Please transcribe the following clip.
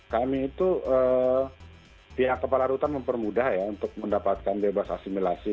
kami itu pihak kepala rutan mempermudah ya untuk mendapatkan bebas asimilasi